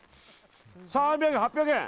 ３００円、８００円。